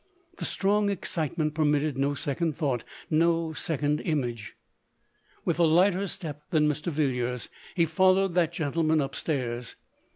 The strong excitement permitted no second thought — no second image. With a lighter step than Mr. Villiers, he fol lowed that gentleman up stairs.